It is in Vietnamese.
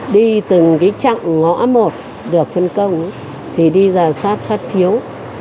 đi từng cái chặng ngõ một được phân công thì đi giả soát phát phiếu